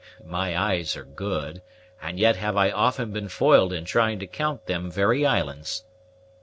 "My eyes are good, and yet have I often been foiled in trying to count them very islands."